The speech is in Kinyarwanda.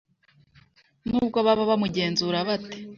nubwo baba bamugenzura bate.